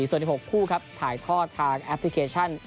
ส่วนอีก๖คู่ครับถ่ายทอดทางแอปพลิเคชัน